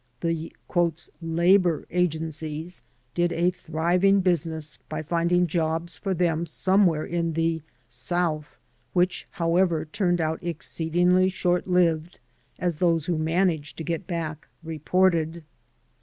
The "labor agencies" did a thriving business by finding jobs for them somewhere in "the South," which, however, turned out exceed ingly short lived, as those who managed to get back reported.